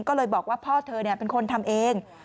ก็เลยบอกว่าพ่อเธอเป็นคนทำเอง